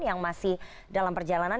yang masih dalam perjalanan